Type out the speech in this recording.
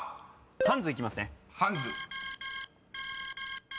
「ハンズ」いきますね。